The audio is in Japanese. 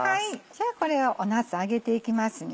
じゃあなす揚げていきますね。